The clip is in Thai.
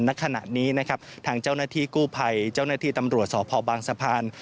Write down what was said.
ณขณะนี้นะครับทางเจ้าหน้าที่กู้ภัยเจ้าหน้าที่ตำรวจสพบางสะพาน